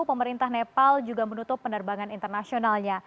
pemerintah nepal juga menutup penerbangan internasionalnya